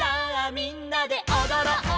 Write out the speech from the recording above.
みんなでおどろう」